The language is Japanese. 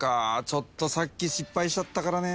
ちょっとさっき失敗しちゃったからね。